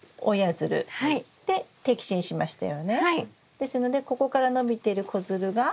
ですのでここから伸びてる子づるが？